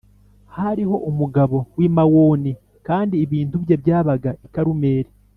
Hariho umugabo w’i Mawoni kandi ibintu bye byabaga i Karumeli.